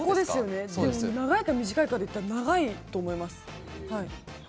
長いか短いかでいえば長いと思います。